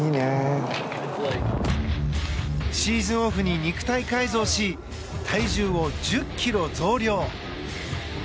シーズンオフに肉体改造し体重を１０ｋｇ増量。